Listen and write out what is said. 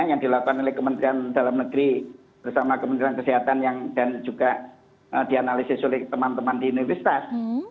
yang dilakukan oleh kementerian dalam negeri bersama kementerian kesehatan dan juga dianalisis oleh teman teman di universitas